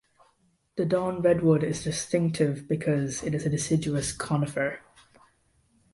The Dawn Redwood is distinctive because it is a deciduous conifer.